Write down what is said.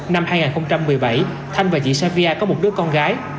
năm hai nghìn một mươi bảy thanh và chị savia có một đứa con gái